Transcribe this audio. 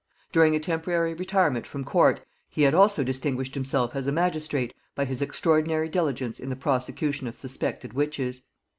During a temporary retirement from court, he had also distinguished himself as a magistrate by his extraordinary diligence in the prosecution of suspected witches.